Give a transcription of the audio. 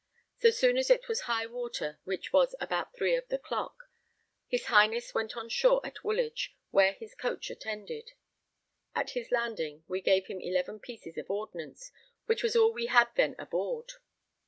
So soon as it was high water, which was about 3 of the clock, his Highness went on shore at Woolwich where his coach attended; at his landing we gave him eleven pieces of ordnance, which was all we had then aboard.